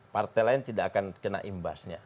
partai lain tidak akan kena imbasnya